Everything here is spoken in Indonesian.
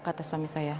kata suami saya